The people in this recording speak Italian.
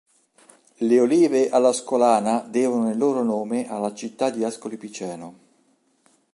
Le olive all'ascolana devono il loro nome alla città di Ascoli Piceno.